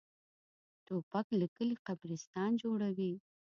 توپک له کلي قبرستان جوړوي.